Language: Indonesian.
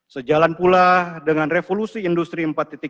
sejalan pula dengan revolusi industri empat